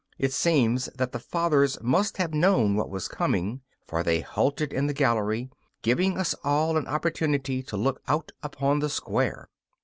It seems that the Fathers must have known what was coming, for they halted in the gallery, giving us all an opportunity to look out upon the square.